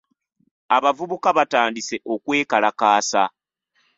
Abavubuka batandise okwekalakaasa.